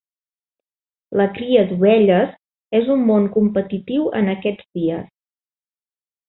La cria d'ovelles és un món competitiu en aquests dies.